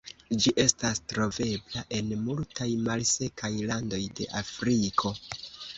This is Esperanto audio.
Ĝi estas trovebla en multaj malsekaj landoj de Afriko.